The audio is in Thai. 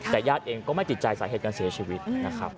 แต่ญาติเองก็ไม่ติดใจสาเหตุการเสียชีวิตนะครับ